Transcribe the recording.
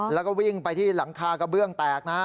แล้วก็วิ่งไปที่หลังคากระเบื้องแตกนะฮะ